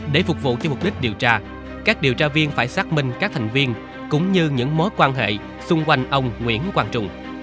để phục vụ cho mục đích điều tra các điều tra viên phải xác minh các thành viên cũng như những mối quan hệ xung quanh ông nguyễn quang trung